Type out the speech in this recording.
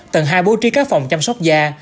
tầng hai bố trí các phòng chăm sóc da